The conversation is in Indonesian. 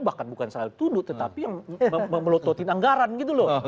bahkan bukan terlalu tunduk tetapi yang melototin anggaran gitu loh